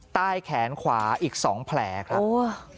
ใต้แขนขวาอีกสองแผลครับ